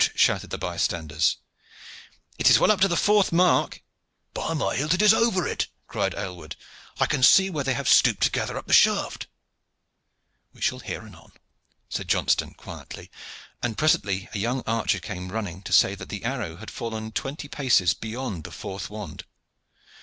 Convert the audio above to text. shouted the bystanders. "It is well up to the fourth mark." "By my hilt! it is over it," cried Aylward. "I can see where they have stooped to gather up the shaft." "We shall hear anon," said Johnston quietly, and presently a young archer came running to say that the arrow had fallen twenty paces beyond the fourth wand.